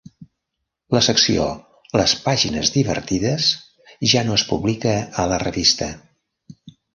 La secció "Les pàgines divertides" ja no es publica a la revista.